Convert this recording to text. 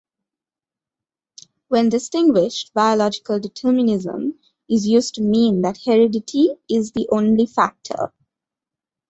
When distinguished, biological determinism is used to mean that heredity is the only factor.